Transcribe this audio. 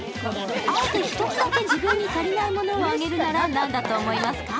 あえて１つだけ、自分に足りないものを挙げるなら何だと思いますか？